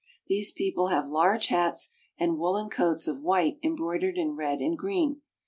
These people have large hats, and woolen coats of white embroidered in red and green.